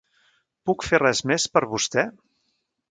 Puc fer res més per vostè.